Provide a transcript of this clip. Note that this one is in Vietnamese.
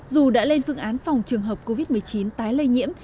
dù đã lên phương án phòng trường hợp covid một mươi chín tái lây nhiễm